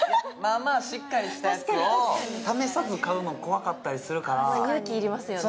まあまあしっかりしたやつを試さず買うの怖かったりするから勇気いりますよね